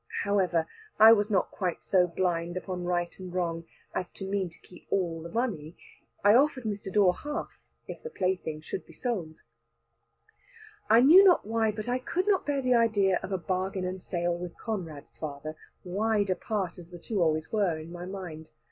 "[#] However, I was not quite so blind upon right and wrong, as to mean to keep all the money. I offered Mr. Dawe half, if the plaything should be sold. [#] "Exiguo fine libidinum." I knew not why, but I could not bear the idea of a bargain and sale with Conrad's father, wide apart as the two always were in my mind.